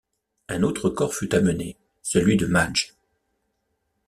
Un autre corps fut amené, celui de Madge.